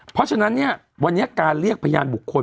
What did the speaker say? เพราะฉะนั้นเนี่ยวันนี้การเรียกพยานบุคคล